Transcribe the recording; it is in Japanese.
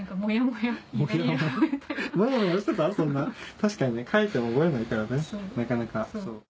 確かに書いても覚えないからねなかなか。